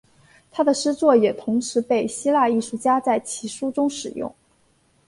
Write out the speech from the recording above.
他的诗作也同时被希腊艺术家在其书中使用。